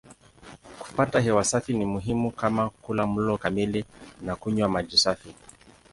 Kupata hewa safi ni muhimu kama kula mlo kamili na kunywa maji safi.